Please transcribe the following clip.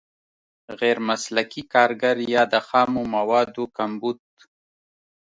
غیر مسلکي کارګر یا د خامو موادو کمبود.